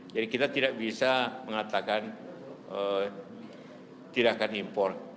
jadi kita tidak bisa mengatakan tidak akan impor